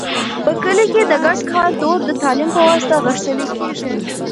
په کلي کې د ګډ کار دود د تعلیم په واسطه غښتلی کېږي.